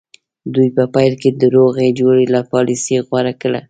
دوی په پیل کې د روغې جوړې پالیسي غوره کړه.